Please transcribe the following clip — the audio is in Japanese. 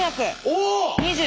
お！